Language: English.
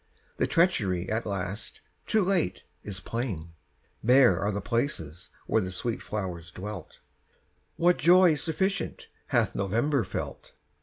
The treachery, at last, too late, is plain; Bare are the places where the sweet flowers dwelt. What joy sufficient hath November felt?